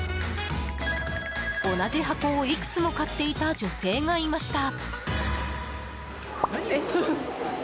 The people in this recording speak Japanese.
同じ箱をいくつも買っていた女性がいました。